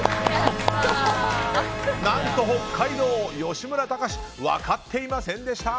何と北海道、吉村崇分かっていませんでした。